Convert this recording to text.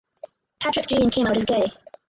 Patrik Jean came out as gay.